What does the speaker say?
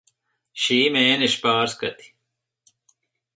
Šī mēneša pārskati.